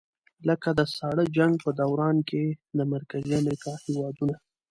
لکه د ساړه جنګ په دوران کې د مرکزي امریکا هېوادونه.